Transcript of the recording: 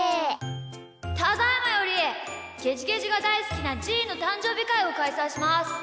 ただいまよりゲジゲジがだいすきなじーのたんじょうびかいをかいさいします。